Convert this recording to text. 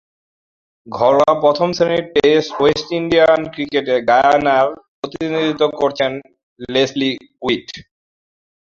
ঘরোয়া প্রথম-শ্রেণীর West Indian ক্রিকেটে গায়ানার প্রতিনিধিত্ব করেছেন লেসলি উইট।